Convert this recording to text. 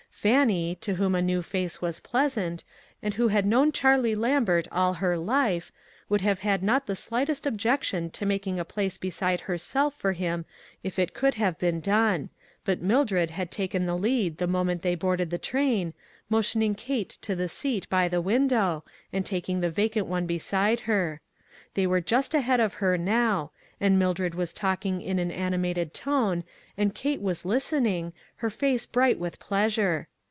Fannie, to whom a new face was pleasant, and who had known Charlie Lambert all her life, would have had not the slightest objection to making a place beside herself for him if it could have been done, but Mildred had taken the lead the moment they boarded the train, motioning Kate to the seat by the window, and taking the vacant one beside her. They were just ahead of her now, and Mildred was talking in an animated tone, and Kate was listening, her face bright with pleasure.